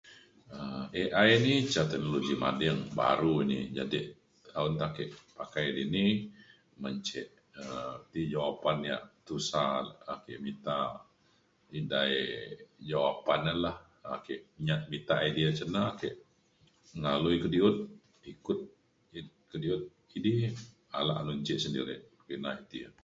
um AI ni ca teknologi mading, baru ini. Jadi ntaun te ake pakai ini ban ce' um ti jawapan ya' tusa ake mita edai jawapan e la. Ake nyat mita idea cen e, ake ngalui kediut ikut kediut kidi alak men ce' sendiri ina idea.